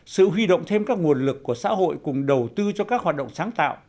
sự huy động thêm các nguồn lực của xã hội cùng đầu tư cho các hoạt động sáng tạo